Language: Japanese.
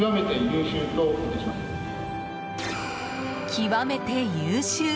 極めて優秀。